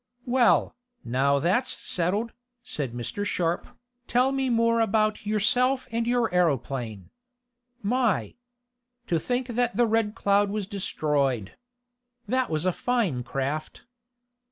"Well, now that's settled," said Mr. Sharp, "tell me more about yourself and your aeroplane. My! To think that the Red Cloud was destroyed! That was a fine craft."